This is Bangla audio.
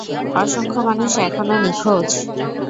অসংখ্য মানুষ এখনও নিখোঁজ!